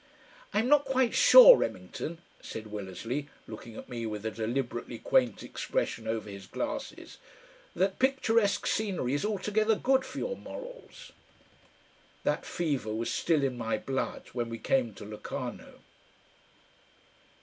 "I'm not quite sure, Remington," said Willersley, looking at me with a deliberately quaint expression over his glasses, "that picturesque scenery is altogether good for your morals." That fever was still in my blood when we came to Locarno.